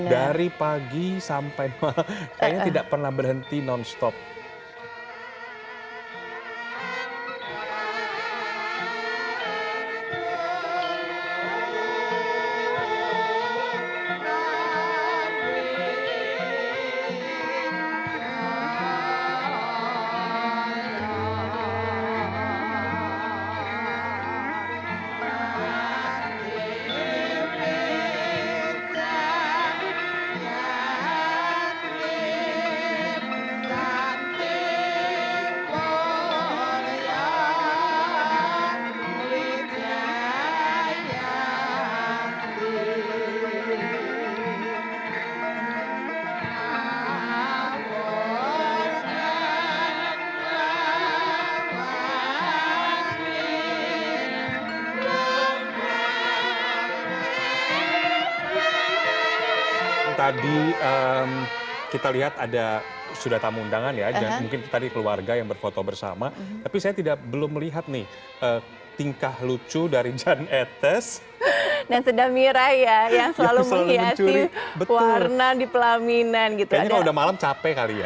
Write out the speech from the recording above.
dari pagi sampai malam kayaknya tidak pernah berhenti non stop